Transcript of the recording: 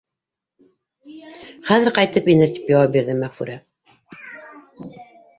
Хәҙер ҡайтып инер, — тип яуап бирҙе Мәғфүрә.